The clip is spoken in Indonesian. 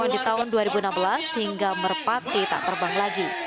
di tahun dua ribu enam belas hingga merpati tak terbang lagi